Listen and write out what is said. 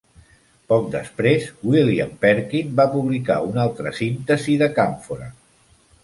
Poc després, William Perkin va publicar una altra síntesi de càmfora.